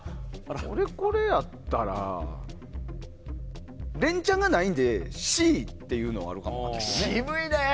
俺、これやったら連チャンがないのでＣというのはあるかも。